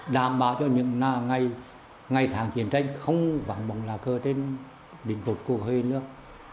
đảm bảo cho những ngày tháng chiến tranh không vắng bỏng là cờ trên định cột của hiền lương